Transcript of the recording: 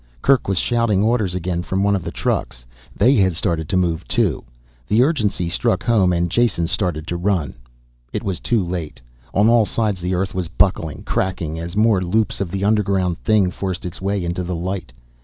Kerk was shouting orders again from one of the trucks. They had started to move too. The urgency struck home and Jason started to run. It was too late. On all sides the earth was buckling, cracking, as more loops of the underground thing forced its way into the light.